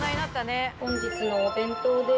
本日のお弁当です。